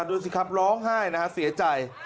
ดูสิครับร้องไห้นะฮะเสียใจ